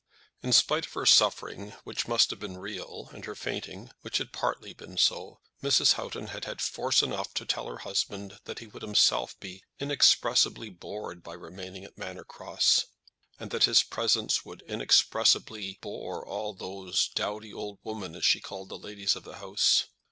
In spite of her suffering, which must have been real, and her fainting, which had partly been so, Mrs. Houghton had had force enough to tell her husband that he would himself be inexpressibly bored by remaining at Manor Cross, and that his presence would inexpressibly bore "all those dowdy old women," as she called the ladies of the house.